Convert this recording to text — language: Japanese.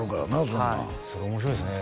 そんなんそれ面白いですね